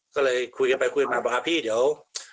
ก็เลยคุยกันไปคุยกันมาบอกว่าพี่เดี๋ยว